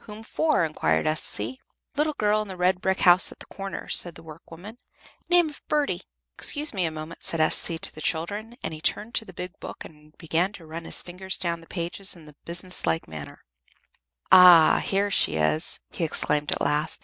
"Whom for?" inquired S.C. "Little girl in the red brick house at the corner," said the workwoman; "name of Birdie." "Excuse me a moment," said S.C. to the children, and he turned to the big book and began to run his fingers down the pages in a business like manner. "Ah! here she is!" he exclaimed at last.